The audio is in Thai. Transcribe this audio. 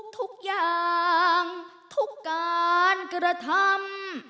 ทุกอย่างทุกการกระทำ